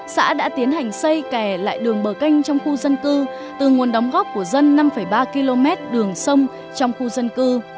xã đã tiến hành xây kè lại đường bờ canh trong khu dân cư từ nguồn đóng góp của dân năm ba km đường sông trong khu dân cư